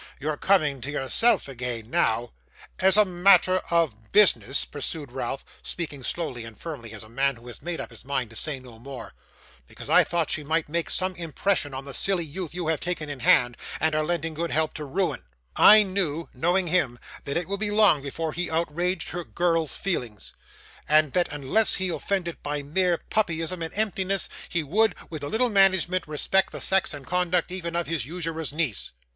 'You're coming to yourself again now.' ' As a matter of business,' pursued Ralph, speaking slowly and firmly, as a man who has made up his mind to say no more, 'because I thought she might make some impression on the silly youth you have taken in hand and are lending good help to ruin, I knew knowing him that it would be long before he outraged her girl's feelings, and that unless he offended by mere puppyism and emptiness, he would, with a little management, respect the sex and conduct even of his usurer's niece.